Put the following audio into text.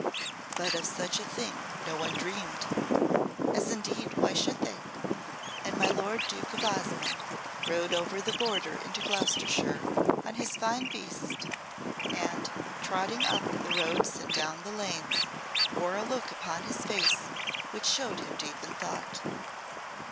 But of such a thing no one dreamed, as, indeed, why should they, and my lord Duke of Osmonde rode over the border into Gloucestershire on his fine beast, and, trotting up the roads and down the lanes, wore a look upon his face which showed him deep in thought.